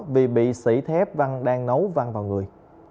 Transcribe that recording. vì bị sỉ thép đang nấu văng vào người